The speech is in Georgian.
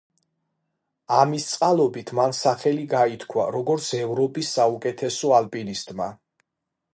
ამის წყალობით მან სახელი გაითქვა, როგორც ევროპის საუკეთესო ალპინისტმა.